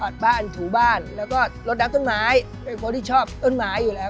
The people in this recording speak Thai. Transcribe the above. บ้านถูบ้านแล้วก็รถรับต้นไม้เป็นคนที่ชอบต้นไม้อยู่แล้ว